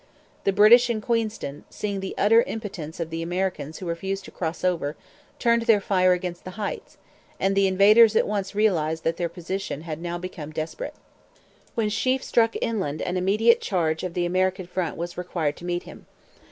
The British in Queenston, seeing the utter impotence of the Americans who refused to cross over, turned their fire against the Heights; and the invaders at once realized that their position had now become desperate. When Sheaffe struck inland an immediate change of the American front was required to meet him.